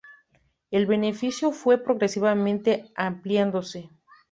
El beneficio fue progresivamente ampliándose.